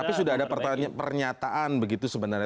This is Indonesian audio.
tapi sudah ada pernyataan begitu sebenarnya